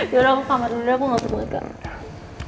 yaudah aku pamit udah aku mau ke rumah kak